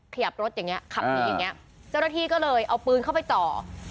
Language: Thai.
ขยับรถอย่างเงี้ขับหนีอย่างเงี้ยเจ้าหน้าที่ก็เลยเอาปืนเข้าไปจ่อ